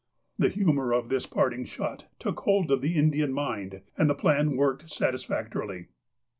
The humour of this parting shot took hold of the In dian mind, and the plan worked satisfactorily.